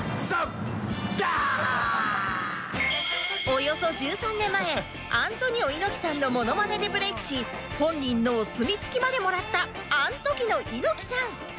およそ１３年前アントニオ猪木さんのモノマネでブレイクし本人のお墨付きまでもらったアントキの猪木さん